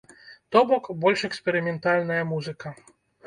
То бок, больш эксперыментальная музыка.